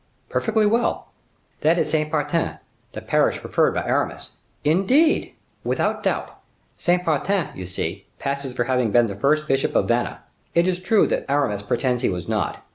"Perfectly well." "That is Saint Patern, the parish preferred by Aramis." "Indeed!" "Without doubt. Saint Patern, you see, passes for having been the first bishop of Vannes. It is true that Aramis pretends he was not.